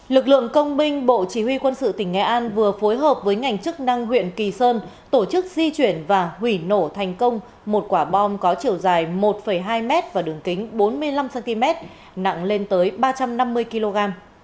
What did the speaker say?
lực lượng công binh bộ chỉ huy quân sự tỉnh nghệ an vừa phối hợp với ngành chức năng huyện kỳ sơn tổ chức di chuyển và hủy nổ thành công một quả bom có chiều dài một hai m và đường kính bốn mươi năm cm nặng lên tới ba trăm năm mươi kg